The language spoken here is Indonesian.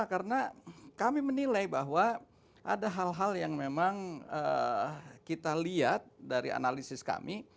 karena kami menilai bahwa ada hal hal yang memang kita lihat dari analisis kami